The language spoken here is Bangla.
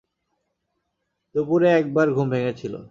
দুপুরে এক বার ঘুম ভেঙেছিল।